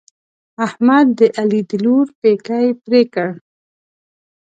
احمد د علي د لور پېکی پرې کړ.